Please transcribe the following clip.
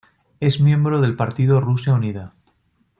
Es miembro del partido Rusia Unida.